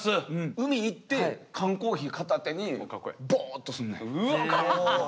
海行って缶コーヒー片手にぼっとすんねん。